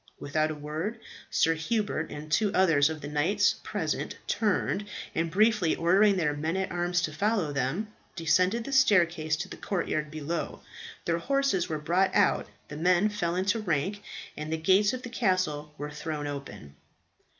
Without a word, Sir Hubert and two others of the knights present turned, and briefly ordering their men at arms to follow them, descended the staircase to the courtyard below. Their horses were brought out, the men fell into rank, and the gates of the castle were thrown open.